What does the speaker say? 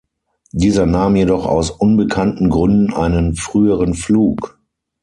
Dieser nahm jedoch aus unbekannten Gründen einen früheren Flug.